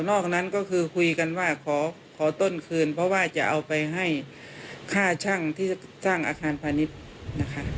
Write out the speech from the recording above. อกนั้นก็คือคุยกันว่าขอต้นคืนเพราะว่าจะเอาไปให้ค่าช่างที่สร้างอาคารพาณิชย์นะคะ